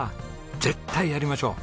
絶対やりましょう！